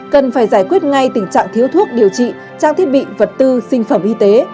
cần phải giải quyết ngay tình trạng thiếu thuốc điều trị trang thiết bị vật tư sinh phẩm y tế